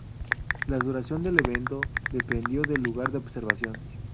La duración del evento dependió del lugar de observación.